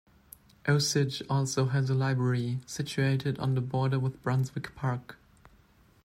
Osidge also has a library, situated on the border with Brunswick Park.